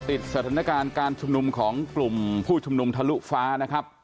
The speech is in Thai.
ติดสถานการณ์การชุมนุมของกลุ่มผู้ชุมนุมทะลุฟ้านะครับ